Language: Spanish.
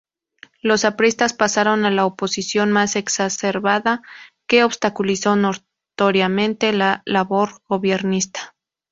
Los apristas pasaron a la oposición más exacerbada, que obstaculizó notoriamente la labor gobiernista.